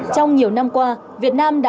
trong nhiều năm qua việt nam đã